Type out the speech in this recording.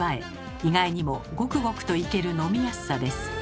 意外にもゴクゴクといける飲みやすさです。